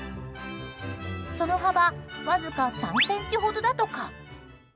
その幅わずか３ｃｍほどだとか。